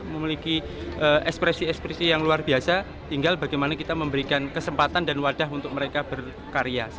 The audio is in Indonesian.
memiliki ekspresi ekspresi yang luar biasa tinggal bagaimana kita memberikan kesempatan dan wadah untuk mereka berkarya